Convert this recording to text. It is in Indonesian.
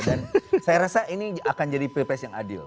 dan saya rasa ini akan jadi pripres yang adil